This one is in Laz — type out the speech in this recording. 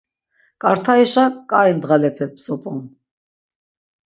Ǩartaişa ǩai ndğalepe bzop̆on.